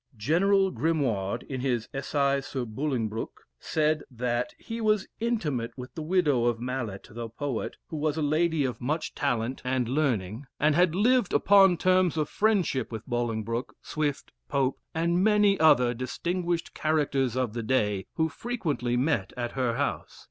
General Grimouard, in his "Essai sur Bolingbroke," says that "he was intimate with the widow of Mallet, the poet, who was a lady of much talent and learning, and had lived upon terms of friendship with Bolingbroke, Swift, Pope, and many other distinguished characters of the day, who frequently met at her house."